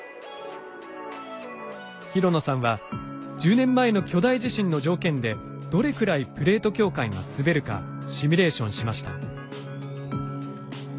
廣野さんは１０年前の巨大地震の条件でどれくらいプレート境界がすべるかシミュレーションしました。